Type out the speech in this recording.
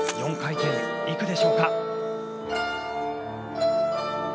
４回転行くでしょうか。